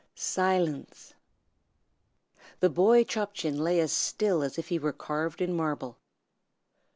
Silence! The boy Chop Chin lay as still as if he were carved in marble.